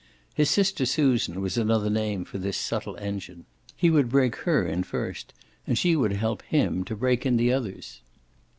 His sister Susan was another name for this subtle engine; he would break her in first and she would help him to break in the others.